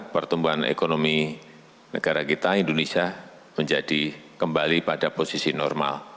pertumbuhan ekonomi negara kita indonesia menjadi kembali pada posisi normal